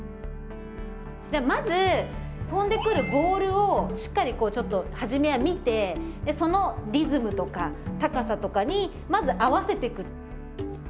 じゃあまず飛んでくるボールをしっかりこうちょっと初めは見てそのリズムとか高さとかにまず合わせてく。